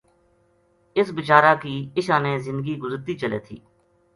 ا س بِچار ا کی اشانے زندگی گزرتی چلے تھی